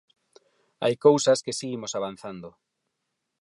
Hai cousas que si imos avanzando.